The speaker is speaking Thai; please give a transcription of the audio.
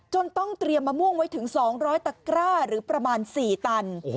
ต้องเตรียมมะม่วงไว้ถึง๒๐๐ตะกร้าหรือประมาณ๔ตัน